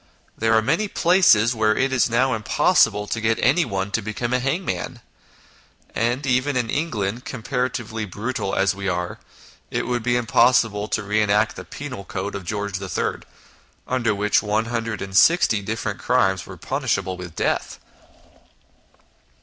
There are places where it is now impossible to get anyone to become a hangman, and even in England, comparatively brutal as we are, it would be impossible to re enact the penal code of George m., under which 160 different crimes were punishable with death.